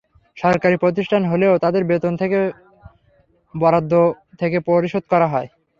সরকারি প্রতিষ্ঠান হলেও তাঁদের বেতন থোক বরাদ্দ থেকে পরিশোধ করা হয়।